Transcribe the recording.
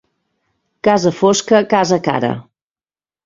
Casa fosca, casa cara.